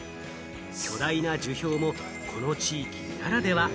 巨大な樹氷もこの地域ならでは。